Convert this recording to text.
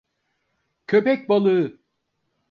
Köpek balığı!